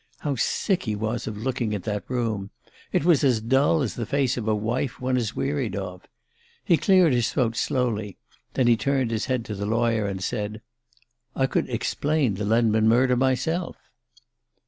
How sick he was of looking at that room! It was as dull as the face of a wife one has wearied of. He cleared his throat slowly; then he turned his head to the lawyer and said: "I could explain the Lenman murder myself."